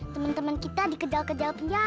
teman teman kita dikejar kejar penjahat